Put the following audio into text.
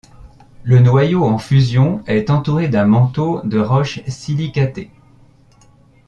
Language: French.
Le noyau en fusion est entouré d'un manteau de roches silicatées.